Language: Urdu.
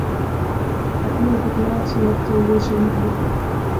اپنوں کیخلاف لڑتے ہوئے شہید ہوئے